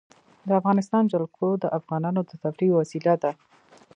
د افغانستان جلکو د افغانانو د تفریح یوه وسیله ده.